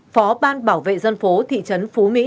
phó ban bảo vệ dân phố thị trấn phú mỹ